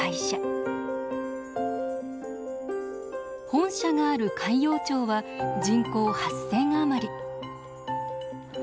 本社がある海陽町は人口８，０００余り。